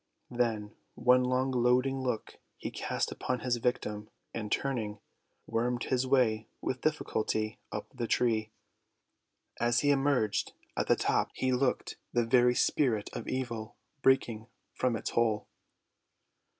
Then one long gloating look he cast upon his victim, and turning, wormed his way with difficulty up the tree. As he emerged at the top he looked the very spirit of evil breaking from its hole.